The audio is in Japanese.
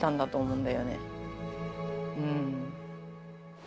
うん。